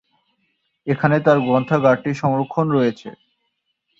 এখানে তাঁর গ্রন্থাগারটি সংরক্ষণ রয়েছে।